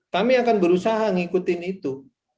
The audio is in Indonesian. kami akan berusaha ngikutin itu